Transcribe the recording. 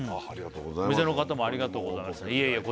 お店の方も「ありがとうございます」「いえいえ」